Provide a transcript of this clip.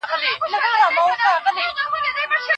معاصرې څېړنې بنسټګر، د ګڼو ادبي کتابونو لیکوال.